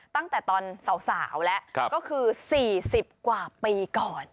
ตั้งแต่ตอนสาวแล้วก็คือ๔๐กว่าปีก่อน